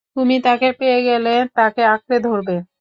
তুমি তাকে পেয়ে গেলে তাঁকে আঁকড়ে ধরবে।